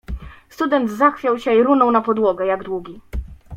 "Student zachwiał się i runął na podłogę jak długi."